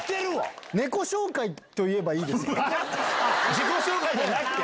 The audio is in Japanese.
自己紹介じゃなくて？